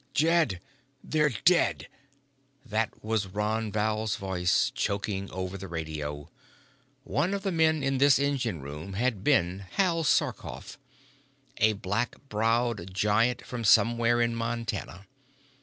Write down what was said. "Jed! They're dead!" That was Ron Val's voice, choking over the radio. One of the men in this engine room had been Hal Sarkoff, a black browed giant from somewhere in Montana.